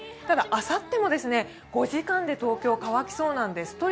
ただ、あさっても５時間で東京は乾きそうなんです。